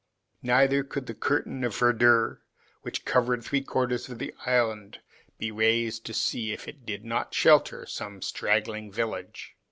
Neither could the curtain of verdure, which covered three quarters of the island, be raised to see if it did not shelter some straggling village.